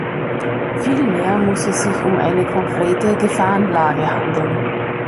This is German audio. Vielmehr muss es sich um eine konkrete Gefahrenlage handeln.